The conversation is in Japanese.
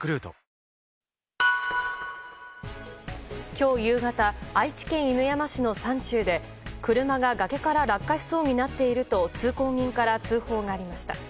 今日夕方愛知県犬山市の山中で車が崖から落下しそうになっていると通行人から通報がありました。